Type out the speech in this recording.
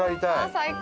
最高！